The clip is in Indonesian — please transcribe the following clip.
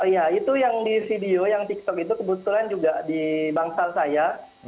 ya itu yang di video yang tiktok itu kebetulan juga di bangsal saya